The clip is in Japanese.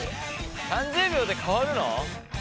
３０秒で変わるの？